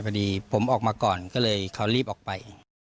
พอดีผมออกมาก่อนก็เลยเขารีบออกไป